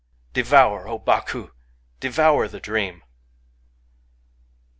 Devour, O Baku ! devour the dream